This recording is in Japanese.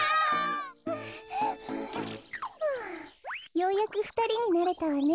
ようやくふたりになれたわね。